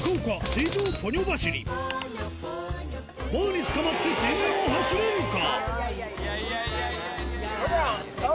バーにつかまって水面を走れるか？